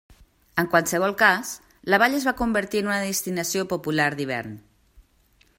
En qualsevol cas, la vall es va convertir en una destinació popular d'hivern.